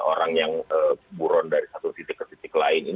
orang yang buron dari satu titik ke titik lain